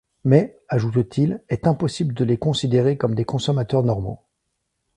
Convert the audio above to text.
Mais, ajoute-t-il est impossible de les considérer comme des consommateurs normaux.